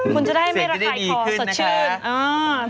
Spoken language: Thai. คุณจะได้ไม่ระคายคอสดชื่น